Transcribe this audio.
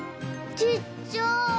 ちっちゃい。